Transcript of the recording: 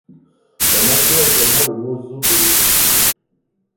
On emploie également le mot zobo.